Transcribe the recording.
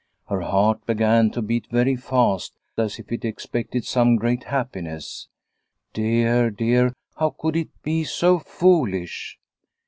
Her heart began to beat very fast as if it expected some great happiness. Dear, dear! how could it be so foolish